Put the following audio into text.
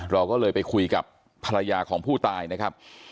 เราก็เลยไปคุยกับภรรยาของผู้ตายนะครับ